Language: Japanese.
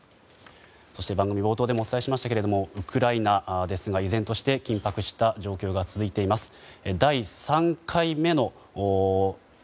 そして、番組冒頭でもお伝えしましたがウクライナですが依然として緊迫した状況が続いています。